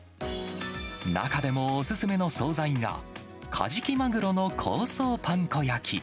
中でもお勧めの総菜が、カジキマグロの香草パン粉焼き。